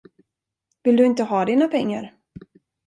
Vill du inte ha dina pengar?